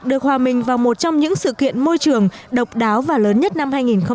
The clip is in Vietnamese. được hòa mình vào một trong những sự kiện môi trường độc đáo và lớn nhất năm hai nghìn một mươi tám